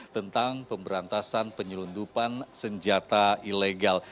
tentang pemberantasan penyelundupan senjata ilegal